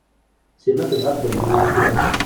Sima tebɣa ad as-teldi ul-is i Maziɣ.